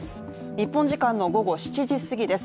日本時間の午後７時すぎです。